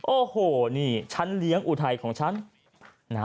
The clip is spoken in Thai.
โอ้โหนี่ฉันเลี้ยงอุทัยของฉันนะฮะ